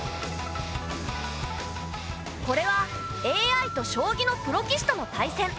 これはＡＩと将棋のプロ棋士との対戦。